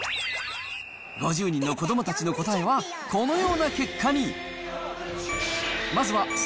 ５０人の子どもたちの答えはこのような結果に。